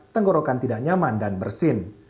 tenggorokan tidak nyaman dan bersin